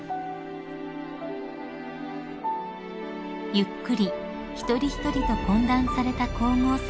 ［ゆっくり一人一人と懇談された皇后さま］